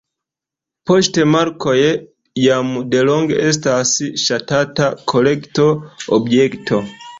Poŝtmarkoj jam delonge estas ŝatata kolekto-objekto.